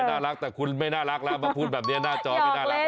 น่ารักแต่คุณไม่น่ารักแล้วมาพูดแบบนี้หน้าจอไม่น่ารัก